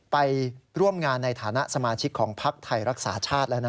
ไปร่วมงานในฐานะสมาชิกของพักไทยรักษาชาติแล้วนะ